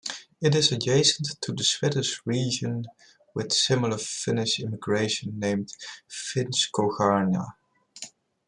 It is adjacent to the Swedish region with similar Finnish immigration, named "Finnskogarna".